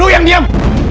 lo yang diam